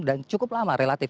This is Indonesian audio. dan cukup lama relatif